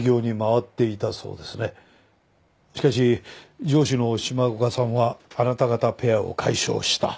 しかし上司の島岡さんはあなた方ペアを解消した。